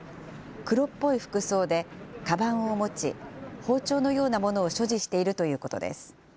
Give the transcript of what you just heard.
黒っぽい服装で、かばんを持ち、包丁のようなものを所持しているということです。